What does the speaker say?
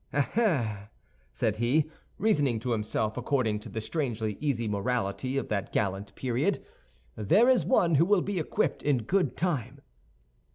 "Eh, eh!" said he, reasoning to himself according to the strangely easy morality of that gallant period, "there is one who will be equipped in good time!"